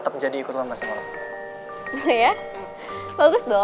cuma kali ini murah lu